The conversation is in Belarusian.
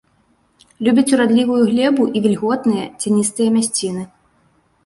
Любіць урадлівую глебу і вільготныя, цяністыя мясціны.